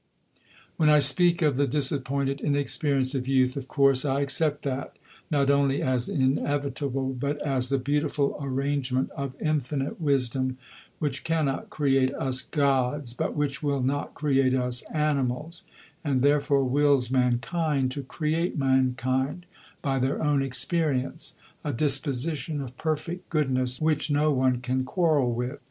When I speak of the disappointed inexperience of youth, of course I accept that, not only as inevitable, but as the beautiful arrangement of Infinite Wisdom, which cannot create us gods, but which will not create us animals, and therefore wills mankind to create mankind by their own experience a disposition of Perfect Goodness which no one can quarrel with.